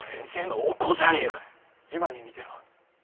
今に見てろ。